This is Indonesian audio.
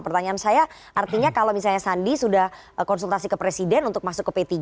pertanyaan saya artinya kalau misalnya sandi sudah konsultasi ke presiden untuk masuk ke p tiga